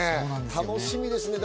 楽しみですね。